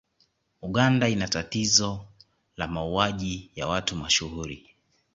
Uganda ina tatizo la mauwaji ya watu mashuhuri